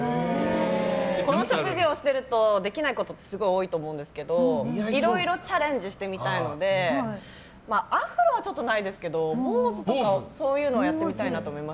この職業をしているとできないことってすごい多いと思うんですけどいろいろチャレンジしてみたいのでアフロはちょっとないですけど坊主とかそういうのはやってみたいなと思います。